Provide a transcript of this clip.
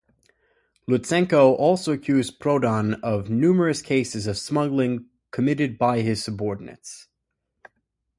Lutsenko also accused Prodan of "numerous cases of smuggling committed by his subordinates".